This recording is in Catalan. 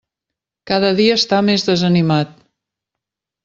Cada dia està més desanimat.